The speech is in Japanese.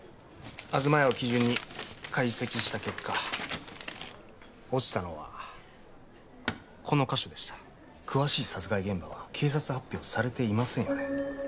東屋を基準に解析した結果落ちたのはこの箇所でした詳しい殺害現場は警察発表されていませんよね